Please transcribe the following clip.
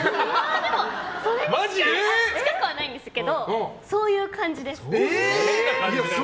でもそれに近くはないんですけどそういう感じです。